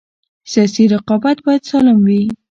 سیاسي رقابت باید سالم وي